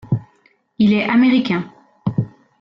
Il est Américain.